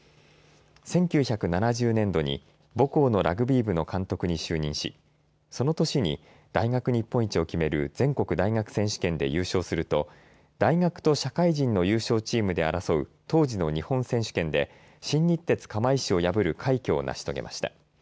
１９７０年度に母校のラグビー部の監督に就任しその年に大学日本一を決める全国大学選手権で優勝すると大学と社会人の優勝チームで争う当時の日本選手権で新日鉄釜石を破る快挙を成し遂げました。